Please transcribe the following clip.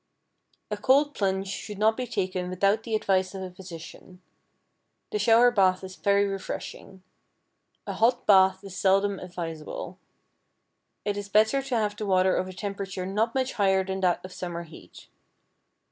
A cold plunge should not be taken without the advice of a physician. The shower bath is very refreshing. A hot bath is seldom advisable. It is better to have the water of a temperature not much higher than that of summer heat.